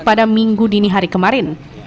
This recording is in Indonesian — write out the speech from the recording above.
pada minggu dini hari kemarin